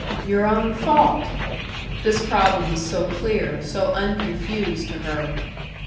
"Your own fault." This problem was so clear, so unconfused to her.